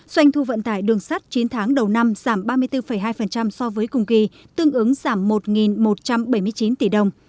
doanh thu vận tải đường sắt chín tháng đầu năm giảm ba mươi bốn hai so với cùng kỳ tương ứng giảm một một trăm bảy mươi chín tỷ đồng